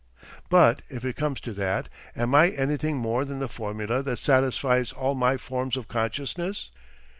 But if it comes to that, am I anything more than the formula that satisfies all my forms of consciousness?